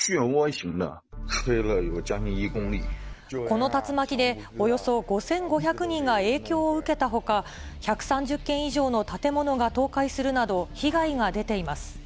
この竜巻で、およそ５５００人が影響を受けたほか、１３０軒以上の建物が倒壊するなど、被害が出ています。